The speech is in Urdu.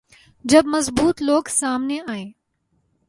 جب مضبوط لوگ سامنے آئیں۔